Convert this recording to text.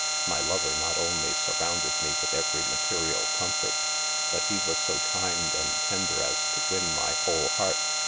My lover not only surrounded me with every material comfort, but he was so kind and tender as to win my whole heart.